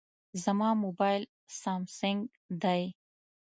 زما موبایل سامسونګ دی.